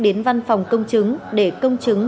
đến văn phòng công chứng để công chứng